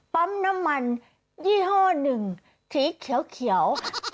ปั๊มน้ำมันยี่ห้อหนึ่งสีเขียว